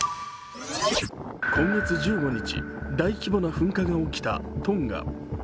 今月１５日大規模な噴火が起きたトンガ。